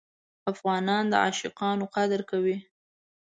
افغانان د عاشقانو قدر کوي.